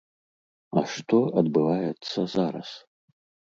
А што адбываецца зараз?